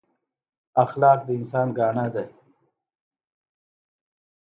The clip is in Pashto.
اخلاق د انسان ګاڼه ده